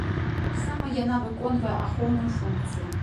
Таксама яна выконвае ахоўную функцыю.